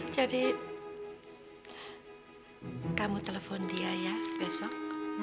jadi kamu telepon dia ya besok